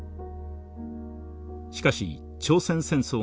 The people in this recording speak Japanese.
しかし朝鮮戦争が勃発。